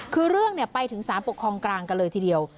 คือเรื่องไปถึงสารปกครองกลางกันเลยทีเดียว